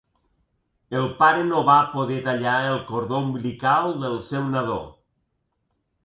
El pare no va poder tallar el cordó umbilical del seu nadó.